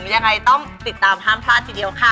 ยังไงต้องติดตามห้ามพลาดทีเดียวค่ะ